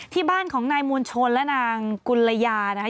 ที่บ้านของนายมวลชนและนางกุลยานะคะ